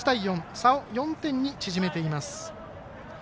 差を４点に縮めています。